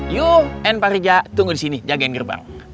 you and pak rija tunggu disini jagain gerbang